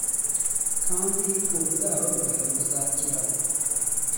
kandi urubyaro rwe ruzakiragwa